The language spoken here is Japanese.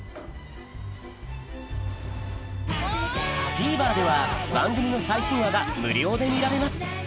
ＴＶｅｒでは番組の最新話が無料で見られます